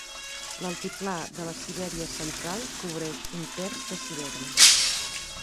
L'altiplà de la Siberia Central cobreix un terç de Sibèria.